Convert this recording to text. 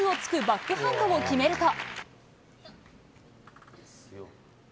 バックハンドを決めると。